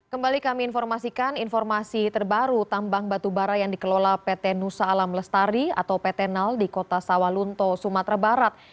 kembali kami informasikan informasi terbaru tambang batubara yang dikelola pt nusa alam lestari atau pt nal di kota sawalunto sumatera barat